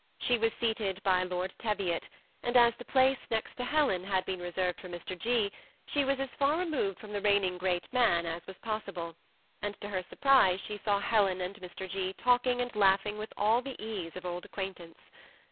She was seated by Lord Teviot ; and as the place next to Helen had been reserved for Mr. 164 THE SEMI ATTACHED COUPLE. 6., she was as far removed from the reigning great man as was possible ; and to her surprise she saw Helen and Mr. G. talking and laughing with all the ease of old acquaintance.